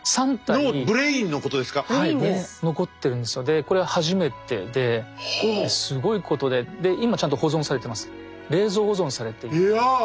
これは初めてですごいことでで今ちゃんと保存されてます。